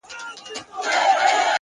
څه وکړمه لاس کي مي هيڅ څه نه وي!!